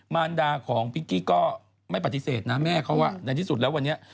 มารดาของพิงกี้ก็ไม่ปฏิเสธนะแม่เขาในที่สุดแล้ววันนี้